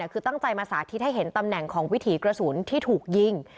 คือตั้งใจมาสาธิตให้เห็นตำแหน่งของวิถีกระสุนที่ถูกยิง